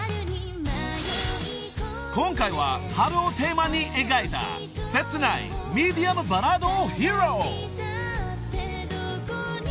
［今回は春をテーマに描いた切ないミディアムバラードを披露］